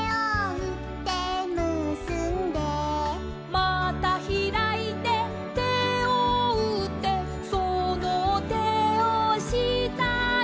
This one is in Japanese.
「またひらいて手をうって」「その手をしたに」